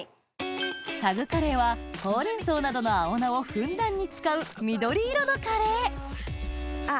サグカレーはほうれん草などの青菜をふんだんに使う緑色のカレーあっ。